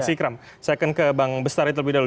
saya akan ke bang besetari terlebih dahulu